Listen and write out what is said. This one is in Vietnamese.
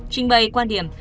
trình bày quan điểm